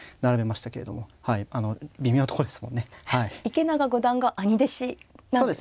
池永五段が兄弟子なんですね。